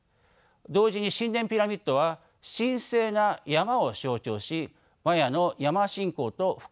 同時に神殿ピラミッドは神聖な山を象徴しマヤの山信仰と深く結び付いていました。